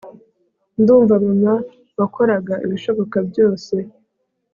ndumva mama, wakoraga ibishoboka byose